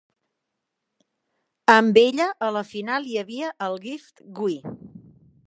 Amb ella a la final hi havia el Gift Gwe.